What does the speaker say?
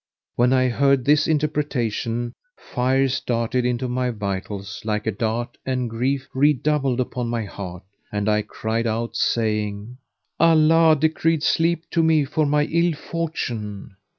" When I heard this interpretation, fires darted into my vitals like a dart and grief redoubled upon my heart and I cried out, saying, "Allah decreed sleep to me for my ill fortune."